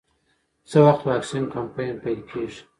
څه وخت واکسین کمپاین پیل کېږي؟